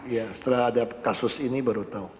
ya setelah ada kasus ini baru tahu